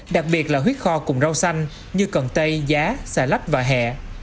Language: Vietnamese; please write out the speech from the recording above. đặc biệt là huyết kho cùng rau xanh như cần tây giá xà lách và hẹ